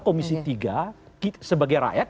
komisi tiga sebagai rakyat